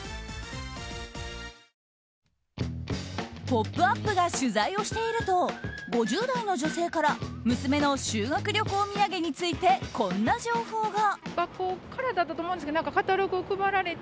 「ポップＵＰ！」が取材をしていると５０代の女性から娘の修学旅行土産についてこんな情報が。